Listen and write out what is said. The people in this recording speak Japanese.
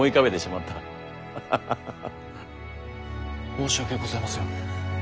申し訳ございませぬ！